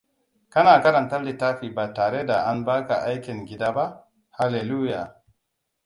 Kana karanta littafi ba tare da an baka aikin gida ba? Hallelujah!